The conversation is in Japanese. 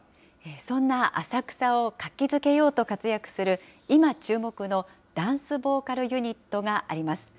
そんな浅草を活気づけようと活躍する今注目のダンスボーカルユニットがあります。